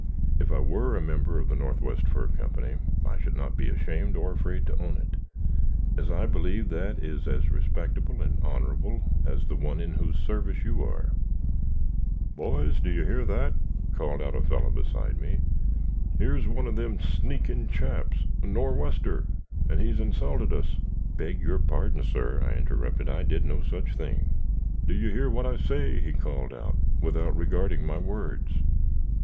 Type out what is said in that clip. If I were a member of the Northwest Fur Company, I should not be ashamed or afraid to own it, as I believe that is as respectable and honorable as the one in whose service you are." [Illustration: "A fight! a fight! make a ring for them."] "Boys! do you hear that?" called out a fellow beside me. "Yer's one of them sneaking chaps a Nor'wester, and he's insulted us " "Beg your pardon, sir," I interrupted; "I did no such thing." "Do you hear that, I say?" he called out, without regarding my words.